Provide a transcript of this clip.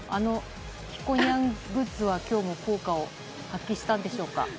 ひこにゃんグッズは今日も効果を発揮したんでしょうか？